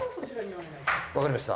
わかりました。